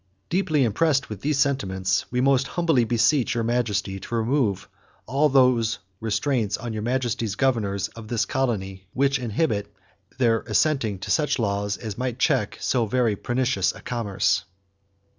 Deeply impressed with these sentiments, we most humbly beseech Your Majesty to remove all those restraints on Your Majesty's governors of this colony which inhibit their assenting to such laws as might check so very pernicious a commerce."